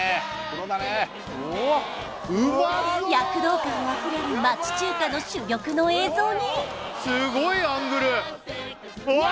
プロだね躍動感溢れる町中華の珠玉の映像にすごいアングル！わ！